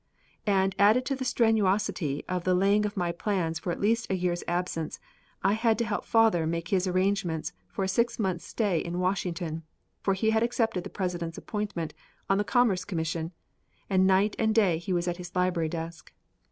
And added to the strenuosity of the laying of my plans for at least a year's absence, I had to help father make his arrangements for a six months' stay in Washington, for he had accepted the President's appointment on the Commerce Commission, and night and day he was at his library desk.